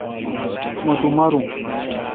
مہ تو مارو۔